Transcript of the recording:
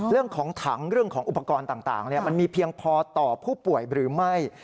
เรื่องของถังเรื่องของอุปกรณ์ต่างมันมีเพียงพอต่อผู้ป่วยหรือไม่